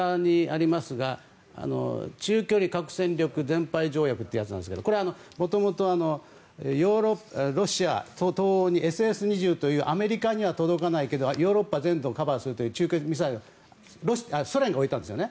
中距離核戦略全廃条約というものですがこれはもともと東欧にＳＳ２０というアメリカには届かないというヨーロッパ全土をカバーするという中距離ミサイルをソ連が置いたんですね。